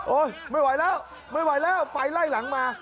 ไม่ไหวแล้วไม่ไหวแล้วไฟไล่หลังมา